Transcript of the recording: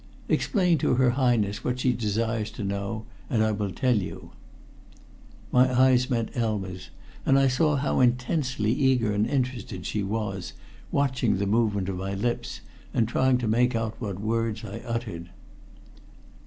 "Explain to her Highness what she desires to know, and I will tell you." My eyes met Elma's, and I saw how intensely eager and interested she was, watching the movement of my lips and trying to make out what words I uttered.